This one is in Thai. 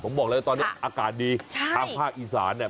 ผมบอกเลยว่าตอนนี้อากาศดีใช่ทางภาคอีสานเนี่ย